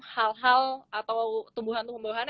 hal hal atau tumbuhan tumbuhan